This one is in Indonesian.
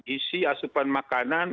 isi asupan makanan